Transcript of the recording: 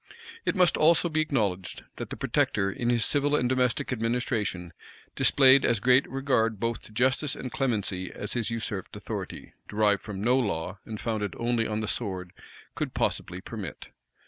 It must also be acknowledged, that the protector, in his civil and domestic administration, displayed as great regard both to justice and clemency, as his usurped authority, derived from no law, and founded only on the sword, could possibly permit.